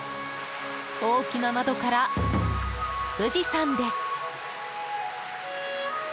大きな窓から富士山です。